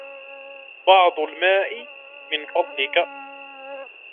بعض الماء، من فضلك